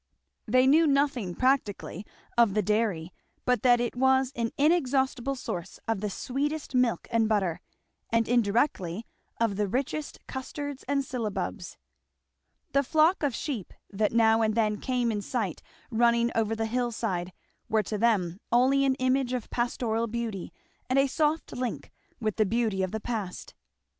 They knew nothing practically of the dairy but that it was an inexhaustible source of the sweetest milk and butter, and indirectly of the richest custards and syllabubs. The flock of sheep that now and then came in sight running over the hill side, were to them only an image of pastoral beauty and a soft link with the beauty of the past.